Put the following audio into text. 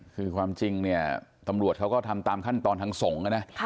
คือความจริงเนี่ยตำรวจเขาก็ทำตามขั้นตอนทางสงฆ์นะ